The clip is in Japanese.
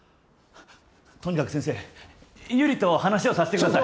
とにかく先生悠里と話をさせてください！